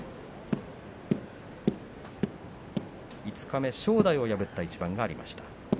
五日目、正代を破った一番がありました。